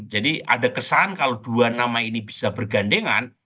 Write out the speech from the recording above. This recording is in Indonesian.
jadi ada kesan kalau dua nama ini bisa bergandengan